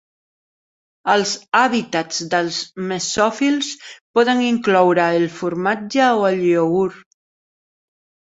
Els hàbitats dels mesòfils poden incloure el formatge o el iogurt.